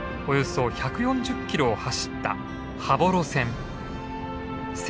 およそ１４０キロを走った羽幌線。